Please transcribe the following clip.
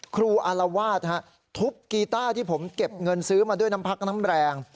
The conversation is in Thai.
อารวาสทุบกีต้าที่ผมเก็บเงินซื้อมาด้วยน้ำพักน้ำแรง